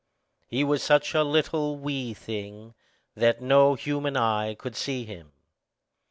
He was such a little wee thing, that no human eye could see him.